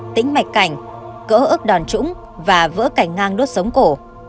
tính mạch cảnh cỡ ức đòn trũng và vỡ cảnh ngang đốt sống cổ